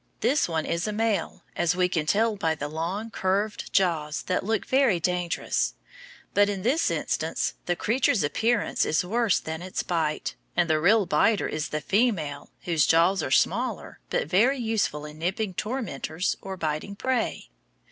This one is a male, as we can tell by the long, curved jaws that look very dangerous; but in this instance the creature's appearance is worse than its bite, and the real biter is the female whose jaws are smaller but very useful in nipping tormentors or biting prey.